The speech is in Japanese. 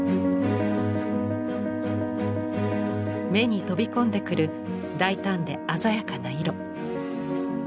目に飛び込んでくる大胆で鮮やかな色。